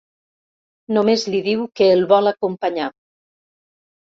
Només li diu que el vol acompanyar.